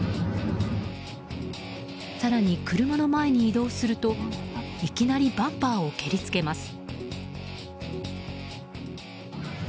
更に車の前に移動するといきなりバンパーを蹴りつけます。